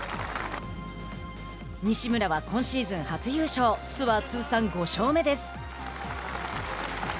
西村は今シーズン初優勝ツアー通算５勝目です。